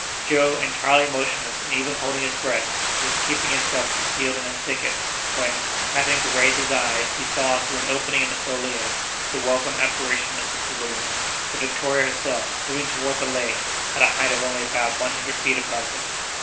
Joe, entirely motionless and even holding his breath, was keeping himself concealed in a thicket, when, happening to raise his eyes, he saw through an opening in the foliage the welcome apparition of the balloon—the Victoria herself—moving toward the lake, at a height of only about one hundred feet above him.